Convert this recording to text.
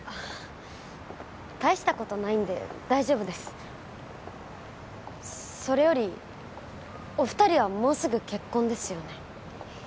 たいしたことないんで大丈夫ですそれよりお二人はもうすぐ結婚ですよね？